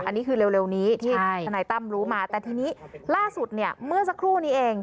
อันนี้คือเร็วนี้ที่ทนายตั้มรู้มาแต่ทีนี้ล่าสุดเนี่ยเมื่อสักครู่นี้เอง